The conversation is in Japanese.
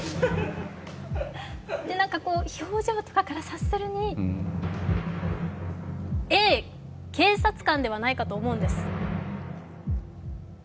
なんか、こう表情から察するにＡ・警察官ではないかと思うんです。